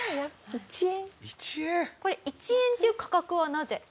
これ１円っていう価格はなぜ？